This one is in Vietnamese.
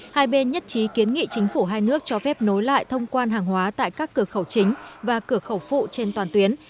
hai bên nhất trí kiến nghị chính phủ hai nước cho phép nối lại thông quan hàng hóa tại các cửa khẩu chính và cửa khẩu phụ trên toàn tuyến